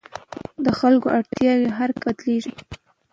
د خلکو اړتیاوې هر کال بدلېږي.